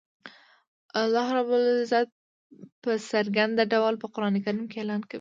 الله رب العزت په څرګند ډول په قران کریم کی اعلان کوی